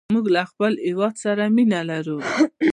موږ له خپل هېواد سره مینه لرو.